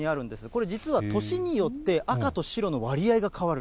これ、実は年によって、赤と白の割合が変わる。